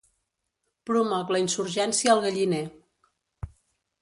Promoc la insurgència al galliner.